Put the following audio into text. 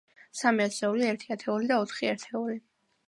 სამი ასეული, ერთი ათეული და ოთხი ერთეული.